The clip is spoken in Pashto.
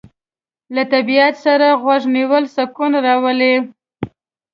له طبیعت سره غوږ نیول سکون راولي.